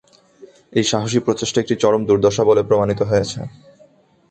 এই সাহসী প্রচেষ্টা একটি "চরম দুর্দশা" বলে প্রমাণিত হয়েছে।